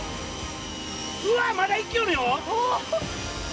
うわまだいきよるよ！